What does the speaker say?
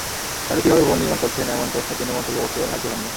তাহলে কীভাবে ভবন নির্মাণ করছেন, এমন প্রশ্নে তিনি মন্তব্য করতে রাজি হননি।